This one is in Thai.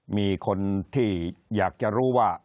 มีคนที่อยากจะรู้ว่า